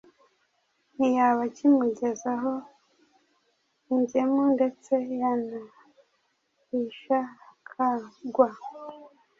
ntiyaba akimugezaho injyemu ndetse yanahisha akagwa